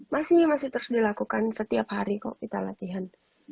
masih masih terus dilakukan setiap hari kok kita latihan